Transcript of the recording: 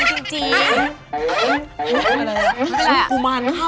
อภิษรู้